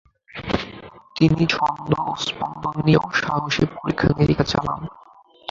তিনি ছন্দ ও স্পন্দন নিয়েও সাহসী পরীক্ষা-নিরীক্ষা চালান।